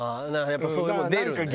やっぱそういうのが出るんだね。